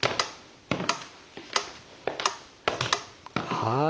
はい。